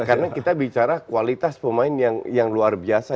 karena kita bicara kualitas pemain yang luar biasa